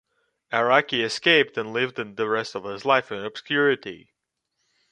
Araki escaped, and lived the rest of his life in obscurity.